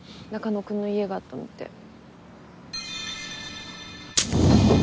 中野くんの家があったのって。